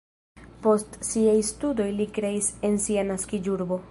Post siaj studoj li kreis en sia naskiĝurbo.